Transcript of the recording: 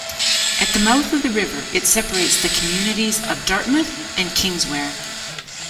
At the mouth of the river, it separates the communities of Dartmouth and Kingswear.